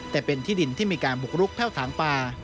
แต่เป็นที่ดินที่มีการบุกรุกแพ่วถางป่า